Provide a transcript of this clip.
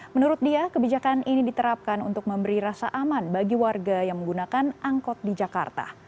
menurut dia kebijakan ini diterapkan untuk memberi rasa aman bagi warga yang menggunakan angkot di jakarta